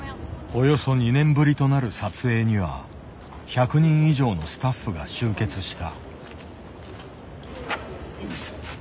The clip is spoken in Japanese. およそ２年ぶりとなる撮影には１００人以上のスタッフが集結した。